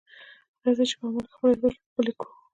راځئ چې په عمل کې خپله ژبه ښکلې کړو.